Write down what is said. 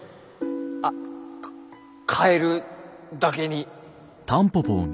あっカエルだけに。